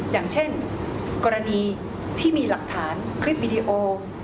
อย่างเช่นกรณีที่มีหลักฐานคลิปวิดีโอ